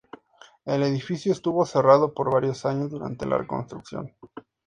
El edificio estuvo cerrado por varios años durante la reconstrucción.